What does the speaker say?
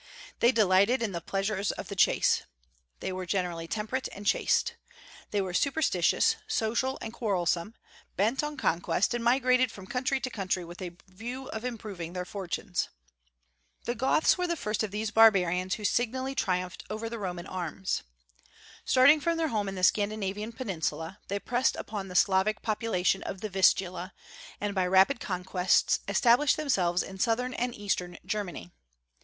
They delighted in the pleasures of the chase. They were generally temperate and chaste. They were superstitious, social, and quarrelsome, bent on conquest, and migrated from country to country with a view of improving their fortunes. The Goths were the first of these barbarians who signally triumphed over the Roman arms. "Starting from their home in the Scandinavian peninsula, they pressed upon the Slavic population of the Vistula, and by rapid conquests established themselves in southern and eastern Germany.